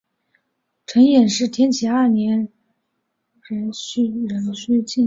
陈演是天启二年壬戌进士。